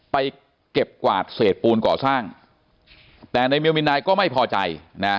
ไปเก็บกวาดเศษปูนก่อสร้างแต่ในเมียลมินนายก็ไม่พอใจนะ